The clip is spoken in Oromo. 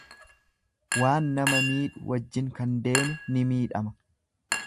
Waan nama miidhu wajjin kan deemu ni miidhama.